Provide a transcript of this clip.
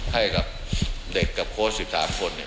ให้กับเด็กกับโค้ช๑๓คน